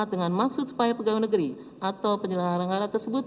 dengan maksud supaya pegawai negeri atau penyelenggara negara tersebut